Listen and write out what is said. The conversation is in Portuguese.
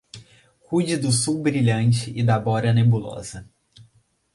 Cuide do sul brilhante e da bora nebulosa.